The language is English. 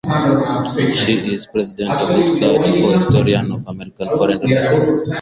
She is president of the Society for Historians of American Foreign Relations.